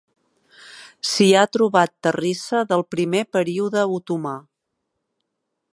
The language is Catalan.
S'hi ha trobat terrissa del primer període otomà.